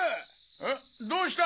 えっどうした？